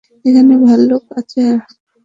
এখানে ভাল্লুক আছে!